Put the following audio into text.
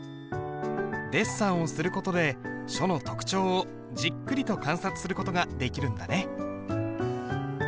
デッサンをする事で書の特徴をじっくりと観察する事ができるんだね。